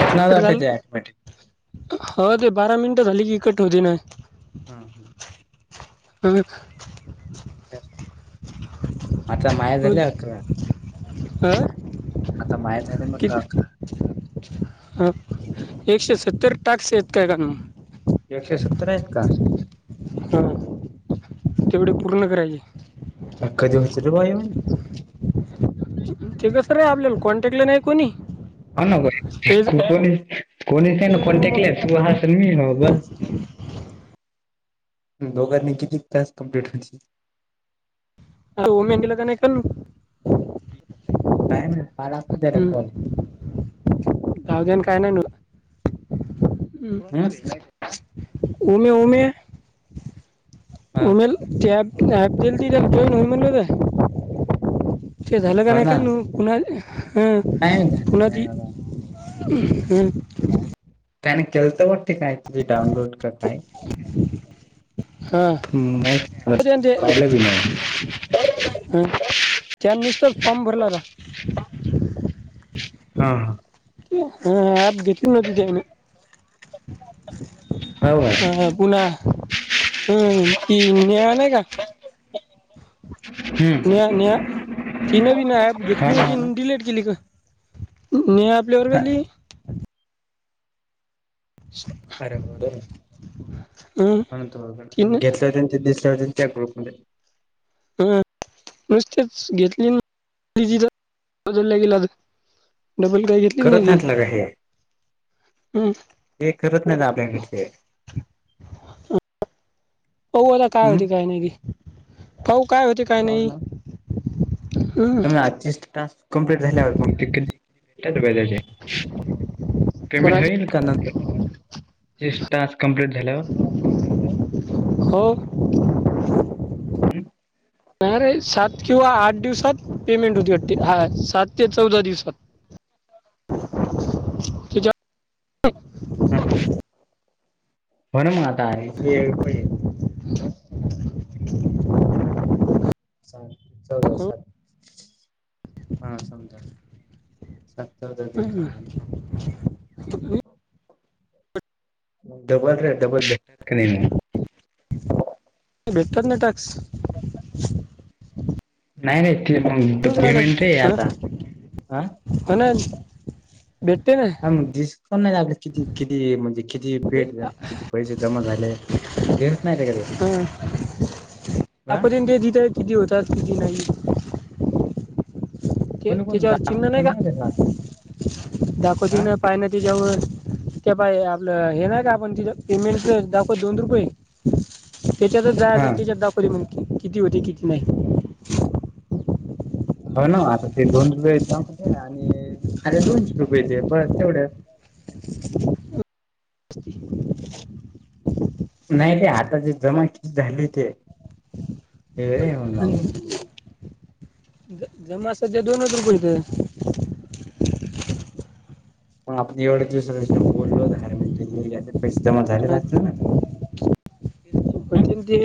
छाटणार cut आहे बघा झालं त्याच्या पाठी हो ते बारा मिनटं झाली की कट होते ना. हम् हम्. हम. बर. अच्छा महे बोल हा. आता माये झाले म्हटलं अकरा. ह एकशे सत्तर टास्क आहेत काही जणांना. एकशे सत्तर आहेत का? हा, तेवढे पूर्ण करायचे. हा, कधी होतेल बुवा ऐवढे. ते कसं रे आपल्याला कॉन्टॅक्टला नाही कोणी. हो ना भाई, ते ज- कोणी कोणी नाही ना त्याच्यामुळं कॉन्टॅक्ट मग तू मी हाय बस म दोघानी कितिक टास्क कमप्लीट केले. दोन म्या केले त्याने ऐक केलं. टाईम आहे, बारा वाजते त्याचा कॉल जाऊ द्या हम्म हं उमे उमे हा उमेल ॲप ते ॲप देलती त्याला कोण हो म्हणलरं. ते झालं हो का ना कानू कुणाल हं काय माहित झालं काय कुणाची.? झालं हम्म. त्याने केलतं वाटतं काय तरी डाऊनलोड का काय. हां, माहित नाही अर ते हं पाहिलं बी नाही काय, त्यानं नुसतंच फॉर्म भरला होता. हां हां. हां, एप घेतली नव्हती त्यानं. हा हो पुन्हा,, हं ती नेहा नाही का? हम्म नेहा नेहा, ती नवीन ॲप हो घेतली ना हो की ना डिलेट केली काय. नेहा आपल्या वर्गातली. श. [unintelligible] अरे होर तर, हम्म तिनं घेतल्या होते ते दिसल्या होते त्या ग्रुपमध्ये. [unintelligible] हां, नुसतेच घेतलीर गेलं. [unintelligible] बोल काय. [unintelligible] करत नाहीत लगा हे. हम्म. हे करत नाहीत आपल्याकडचे. पाऊ आता काय हम्म होती काय नाही की, पाऊ काय होते. काय हो नाही हम्म ना, आजची टास्क. [unintelligible] कंप्लीट झाल्यावर म ते त्या, पेमेंट कोणाचे होईल का आता. तीस टास्क कंम्प्लीट झाल्यावर. हो. [unintelligible] हम्म. [unintelligible] नाही रे, सात किंवा आठ दिवसात पेमेंट होती वाटते, हा सात ते चौदा दिवसात. [inaudible] हो ना, बरं मग आता म्हता हे प. [unintelligible] [inaudible] [unintelligible] हो. हा समजा, सात दिवस. हम्म. [unintelligible] डबल र डबल ब क नाही. [unintelligible] भेटतात ना टास्क. नाही नाही, ते मग पेमेंट आहे आता, हा. होणा. [unintelligible] भेटते ना. हा मग, दिसत पण नाही आपलं, किती किती म्हणजे किती ते पेट हं. किती पैसे जमा झाले [unintelligible] नाहीत अरे. हा. [unintelligible] पर्यंत ते तिथं किती होतात किती नाही. ते कोणी कोण त्याच्यावर चिन्ह दाखवतो नाही का ते. दाखवते हा ना. पाहि ना त्याच्यावर ते पाहे आपलं हे नाही का आपण तिथं पेमेंटच दाखवत दोन रुपये. त्याच्यातच हा जायाचं. त्याच्यात दाखवली मग किती होते किती नाही. हो ना आता ते दोन रुपये दाखवतंय आणि खाली दोनशे रुपये येते बस तेवढंच. नाही ते आाताची जमा किती झाले होते. आणि [unintelligible] जमा सध्या दोनच रुपये इथं. पण आपण एवढे दिवस कसे बोललो [unintelligible] [unintelligible] झालेच असतील ना बहुतेक ते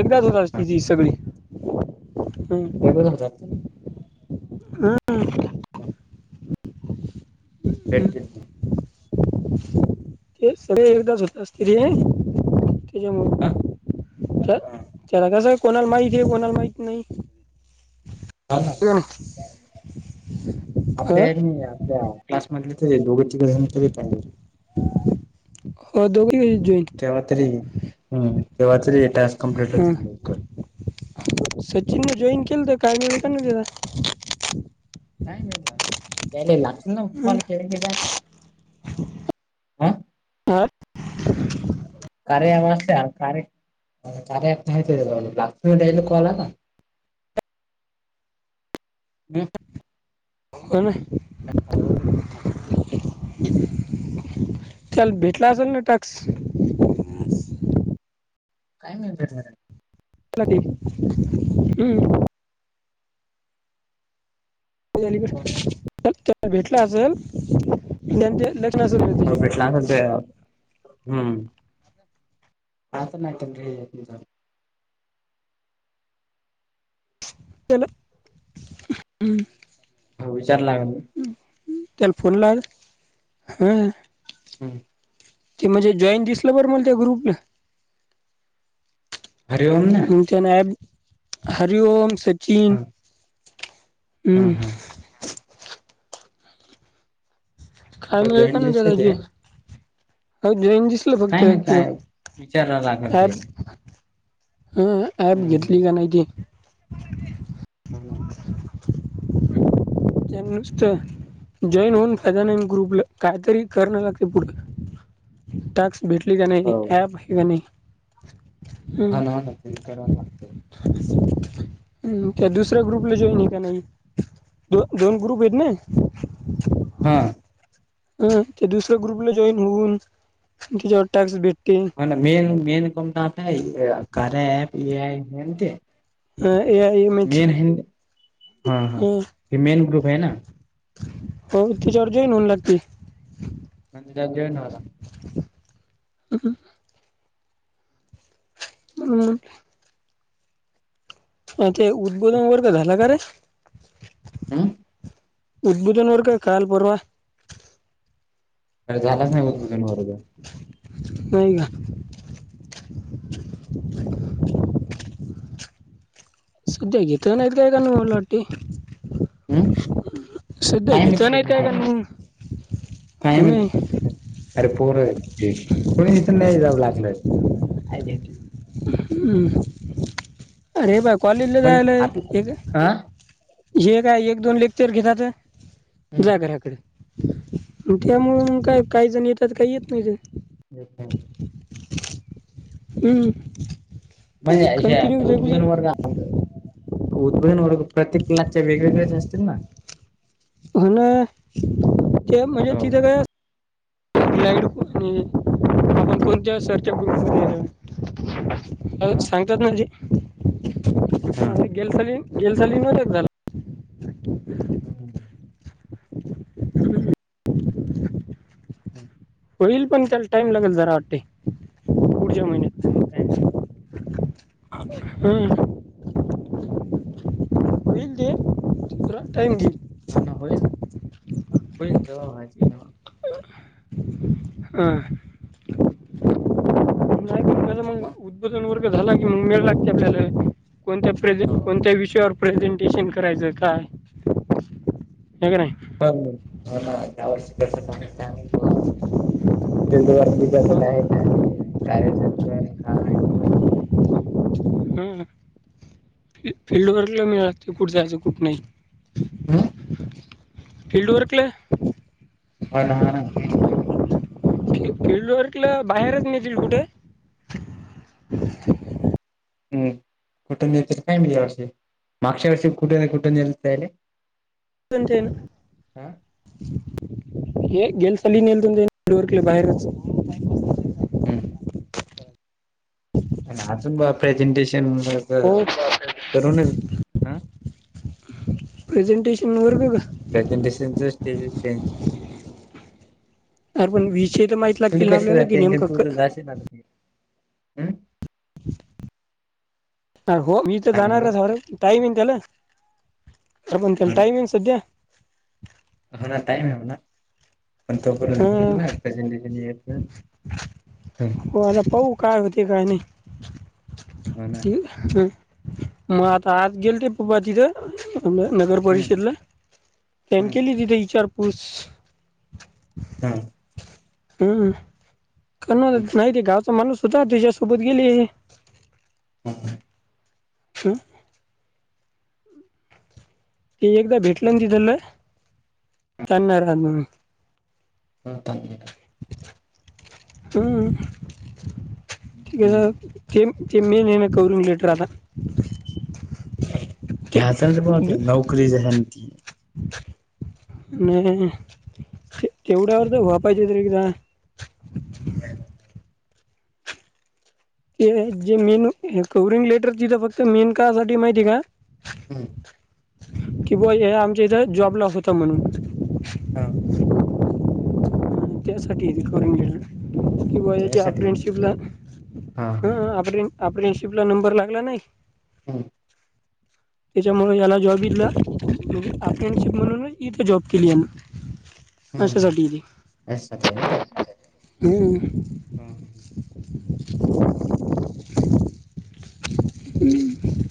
एकदाच होत असती सगळी. हम्म. एकदाच होतात. हम्म हं. हा. [inaudible] हं. भेटतील की. ते सगळे एकदाच होता असतील नाही? हा [unintelligible] हा त्याला तसंच कोणाला माहीत आहे, कोणाला माहीत नाही. ना [unintelligible] आ? त्या क्लासमधले तर हे दोघ‌ं तिघंजण तरी पाहिजे. हो दोघं [unintelligible] तेव्हा तरी हम्म तेव्हा तरी टास्क कंप्लीट होतील लवकर. सचिनन जॉईन केलत काय [unintelligible] काय नाही झालं [unintelligible] लागतील ना मला खेळ [unintelligible] आता. हा हा कार्या ॲप असल्या कार्या कार्या ॲप [unintelligible] [inaudible] हो ना. [unintelligible] काल भेटला असेल ना टाक्स. काय मिळत रे [unintelligible] हम्म. [unintelligible] हो हो. [unintelligible] त्याला भेटला असलं [unintelligible] भेटला म्हणतो यार ‌हम्म. आता नाही पण रे [unintelligible] केलं? हम्म. हो विचारलाय लागले. त्याला फोन लाव ग हं. हम्म. ते म्हणजे जॉईन दिसलं बरं मला ते ग्रुपला. हरी ओम ना? मग हरिओम सचिन हम्म हू हम्म हम्म काय मेळ जॉईन पण दिसले ते [unintelligible] म्हटलं फक्त काय माहित ह्यातलं काय विचारावं लागल ते [unintelligible] ह ऍप हम्म घेतली का नाय की हम्म [inaudible] [unintelligible] जॉईन होऊन फायदा नाही अन् ग्रुपला कायतरी करण लागत पुढ टाक्स भेटले का हो ना नाही हो ॲप घेतलं का नाही आणावं लागत करावं लागतं [inaudible] हू त्या दुसऱ्या ग्रुपला‌ जॉईन होईल का नाही दोन ग्रुप आहेत ना हा हू ते दुसऱ्या ग्रुपला जॉईन होऊन त्याच्यावर टॅक्स भेटते म मेन मेन काम काय कार्या ॲप ए आय हें न ते ए आय इमेज मेन आहे ना ते. हा हा हे मेन ग्रुप आहे ना हो तिच्यावर जाईन होऊन लागते त्यात जॉईन व्हायला [unintelligible] हू ते उद्बोधन वैगरे काय झाला का रे हू उद्बोधन वैगरे काय काल परवा झालाच नाही उद्बोधन वैगरे नाही का सध्या घेत नाहीत काय कण वाटते हम् सध्या काय घेतल्या मित्र नाही काय घेतात कण काय माहित अरे पोर आहेत ती कोणी इथून नाही लागलं अर्जेंट हू अरे बा कॉलेजला जायलय एक आं हे काय एक दोन लेक्चर घेतात जा घराकडे त्यामुळं मग काय काही जण येतात काही येत नाहीती [inaudible] हू म्हणजे हे उद्बीदन वर्ग उद्बोधन वर्ग प्रत्येक मुलांचे वेगवेगळेच असतील ना हो ना ते म्हणजे तिथ काय [inaudible] आपण कोणत्या सरच्या अ हा सांगतात म्हणजे हा [unintelligible] [inaudible] [inaudible] [inaudible] होईल पण त्याला टाइम लागेल जरा वाटते पुढच्या महिन्यात [unintelligible] हम् हा होईल ते [unintelligible] टाईम घेईल. हा ना होईल ना होईल जव्हा व्हायच तेव्हा. हा म मग उद्बोधन वर्ग झाला की म वेळ लागते आपल्याले कोणत्या प्रेजे हो कोणत्या विष् च्यावर प्रेझेंटेशन करायचं काय, हे का नाई. पण हो ना त्या वर्ष कसं काय हे काय माहीती ब्वा. [unintelligible] हम्म हम्म फी फिल्डवरली मिळात ते कुठे जायचं कुठ नाई. हम फिल्ड वर्क लय हो न हो न. फल्डर्कला बाहेरच नेतील कुठे. हम्म कुठ नेत्यात काय माईत या वर्षी मागच्या वर्षी कुठे ना कुठे नेल त्याले. हम्म [unintelligible] ये जेन्स [unintelligible] केले बाहेरच हम्म आणि अजून ब प्रेझेंटेशन म ग हो करूनच अ. प्रेझंटेशन वर का. प्रेझेंटेशनचच टे रे टेंश नाई पण विषय त मायती तुम्झ कशाला टेंशन तूझ [unintelligible] [unintelligible] ह हो मी तर काय जाणारच म्हणला हाय रे टाईमेन त्याले आर पण त्याल टाइमेन सध्या. होणार टाईमाय म्हणा पण तोपर्यंत होईल ना हां प्रेजेंटेशन येईपर्यंत. हो न पाहु काय होते काय नई. घ्यायच म आता आज गेल्ते पप्पा तिथं आ न नगर परिषदला. त्यांन केली तिथं इचारपुस. हम्म. हम्म कोणालाच माईती गावचा माणूस होता त्याच्यासोबत गेली. हम्म. हम्म. की एकदा भेटलं ना तिथलं चालणार आहे मून. हम्म. [unintelligible] हम्म. [unintelligible] तेम ते मेनेनं कवरींग लेटर आता. [inaudible] ते घ्याचन बो ते नौकरी जन ती. आणि ते तेवढ्यावर तर वापायचे त एकदा. [unintelligible] ते जे मेन कवरिंग लेटरचीथ फक्त मेन का साठी माहितीय का. हम्म. की ब्वा हे आमच्या इथे जॉबला होता म्हणून. हा हा. त्यासाठी. [unintelligible] किंवा याच्या हाप त्यासाठी डे आहे. शिपला. हा [unintelligible] हा हाफ डे शिप ला नंबर लागला नाही. हम्म. त्याच्यामुळे याला जॉब बघितला, अटेंड शिप म्हणून इथे जॉब केली आहे मी. [inaudible] असा साठी आहे ती. [unintelligible] हंम्म. हंम. हंम.